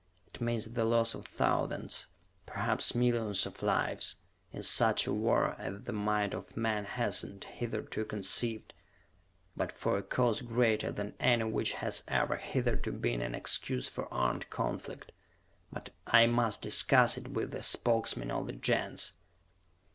It means the loss of thousands, perhaps millions of lives, in such a war as the mind of man has not hitherto conceived; but for a Cause greater than any which has ever hitherto been an excuse for armed conflict. But I must discuss it with the Spokesmen of the Gens!"